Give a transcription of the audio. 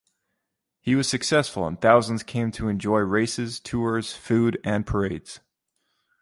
He was successful, and thousands came to enjoy races, tours, food, and parades.